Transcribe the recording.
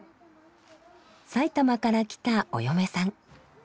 埼玉から来たお嫁さん。